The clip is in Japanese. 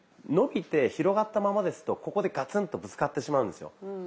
伸びて広がったままですとここでガツンとぶつかってしまうんですよ。